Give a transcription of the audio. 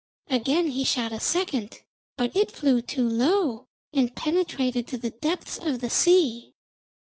Again he shot a second, but it flew too low and penetrated to the depths of the sea.